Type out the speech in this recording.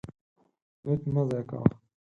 نفت مه ضایع کوه.